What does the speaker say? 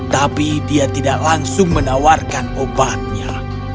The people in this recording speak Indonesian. tapi dia tidak langsung menawarkan obatnya